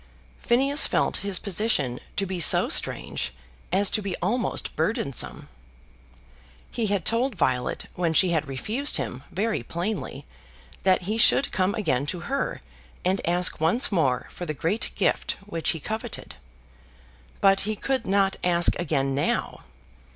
Phineas felt his position to be so strange as to be almost burdensome. He had told Violet, when she had refused him, very plainly, that he should come again to her, and ask once more for the great gift which he coveted. But he could not ask again now.